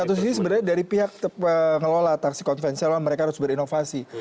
di satu sini sebenarnya dari pihak ngelola taksi konvensional mereka harus berinovasi